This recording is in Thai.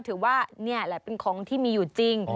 ถือว่านี่แหละเป็นของที่มีอยู่จริง